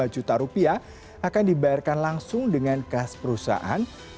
dua ratus lima puluh lima juta rupiah akan dibayarkan langsung dengan kas perusahaan